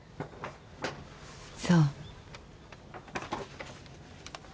そう。